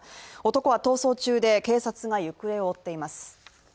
男は逃走中で警察が行方を追っています。